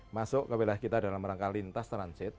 masuk ke wilayah kita dalam rangka lintas transit